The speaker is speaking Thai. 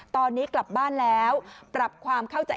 ตอนนี้กลับบ้านแล้วปรับความเข้าใจ